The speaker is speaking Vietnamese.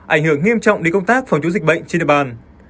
ảnh hưởng nghiêm trọng đến công tác phòng chống dịch bệnh trên địa bàn